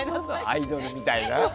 アイドルみたいな？